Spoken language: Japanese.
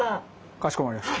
かしこまりました。